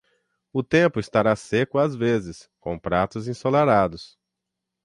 O tempo estará seco às vezes, com pratos ensolarados.